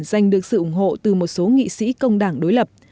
giành được sự ủng hộ từ một số nghị sĩ công đảng đối lập